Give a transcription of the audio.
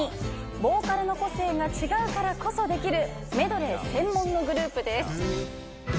ボーカルの個性が違うからこそできるメドレー専門のグループです。